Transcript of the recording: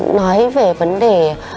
nói về vấn đề